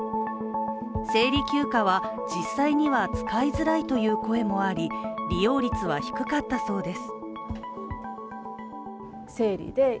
生理休暇は、実際には使いづらいという声もあり利用率は低かったそうです。